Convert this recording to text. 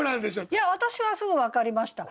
いや私はすぐ分かりました。